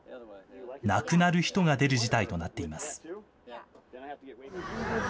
亡くなる人が出る事態となっています。